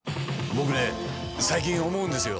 僕ね最近思うんですよ。